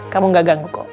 kamu gak ganggu kok